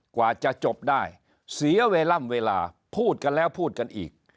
กว่าจะจบได้เสียเวลาพูดกันแล้วพูดกันอีก